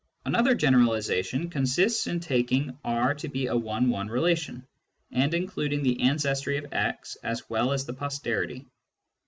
Another generalisation consists in taking R to be a one one relation, and including the ancestry of x as well as the posterity.